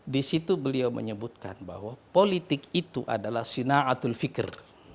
di situ beliau menyebutkan bahwa politik itu adalah sina atul fikir